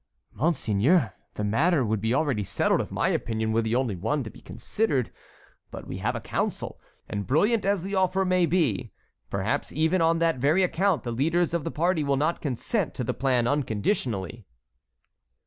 "Monseigneur, the matter would be already settled if my opinion were the only one to be considered, but we have a council, and brilliant as the offer may be, perhaps even on that very account the leaders of the party will not consent to the plan unconditionally."